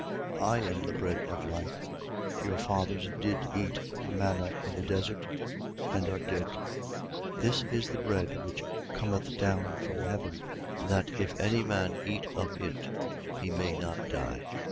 6:48. I am the bread of life. 6:49. Your fathers did eat manna in the desert: and are dead. 6:50. This is the bread which cometh down from heaven: that if any man eat of it, he may not die.